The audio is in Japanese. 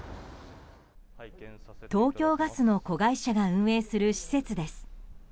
東京ガスの子会社が運営する施設です。